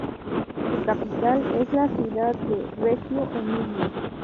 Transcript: Su capital es la ciudad de Reggio Emilia.